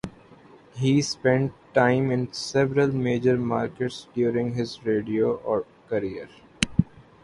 He spent time in several major markets during his radio career.